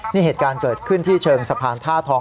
นี่เหตุการณ์เกิดขึ้นที่เชิงสะพานท่าทอง